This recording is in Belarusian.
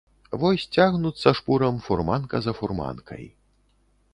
Вось цягнуцца шпурам фурманка за фурманкай.